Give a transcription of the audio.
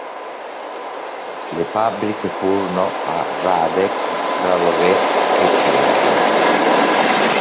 Le fabbriche furono a Hradec Králové e Praga.